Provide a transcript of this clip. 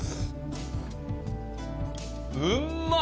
うんまっ！